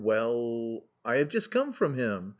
I have just come from him.